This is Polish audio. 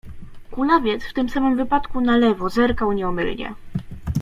Kulawiec w tym samym wypadku na lewo zerkał nieomylnie.